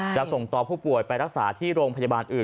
ส่งต่อผู้ป่วยไปรักษาที่โรงพยาบาลอื่น